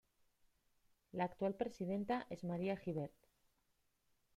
La actual presidenta es María Gibert.